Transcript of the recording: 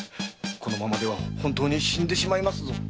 このままでは本当に死んでしまいますぞ〕